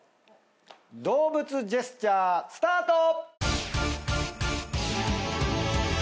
動物ジェスチャースタート！